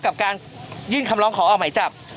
กับการยื่นคำร้องขอออกหมายจับ